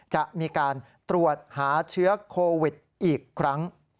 จะมีการตรวจหาเชื้อโควิดอีกครั้ง